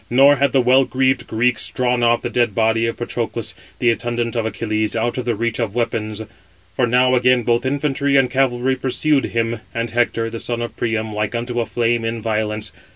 Nor had the well greaved Greeks drawn off the dead body of Patroclus, the attendant of Achilles, out of the reach of weapons; for now again both infantry and cavalry pursued him, and Hector, the son of Priam, like unto a flame in violence.